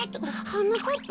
はなかっぱ。